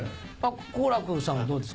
好楽さんどうですか？